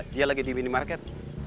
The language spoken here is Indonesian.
dia lagi di minimarket